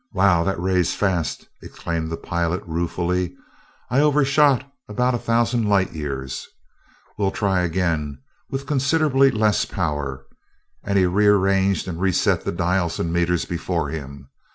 "Wow, that ray's fast!" exclaimed the pilot, ruefully. "I overshot about a thousand light years. We'll try again, with considerably less power," and he rearranged and reset the dials and meters before him.